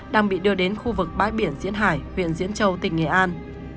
đang bị đưa đến khu vực bãi biển diễn hải huyện diễn châu tỉnh nghệ an